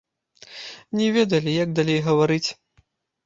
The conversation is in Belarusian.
Не ведалі, як далей гаварыць?